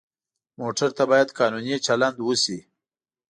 موټر ته باید قانوني چلند وشي.